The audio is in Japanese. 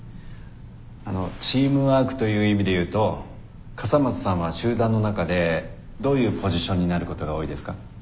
あのチームワークという意味で言うと笠松さんは集団の中でどういうポジションになることが多いですか？